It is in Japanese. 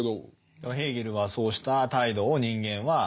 でもヘーゲルはそうした態度を人間はとりうる。